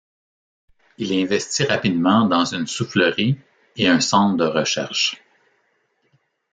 Il investit rapidement dans une soufflerie et un centre de recherche.